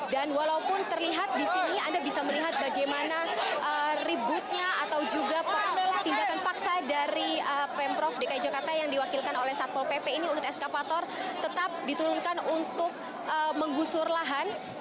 dan walaupun terlihat di sini anda bisa melihat bagaimana ributnya atau juga tindakan paksa dari pemprov dki jakarta yang diwakilkan oleh satpol pp ini unit eskavator tetap diturunkan untuk menggusur lahan